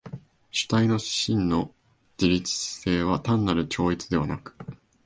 主体の真の自律性は単なる超越でなく、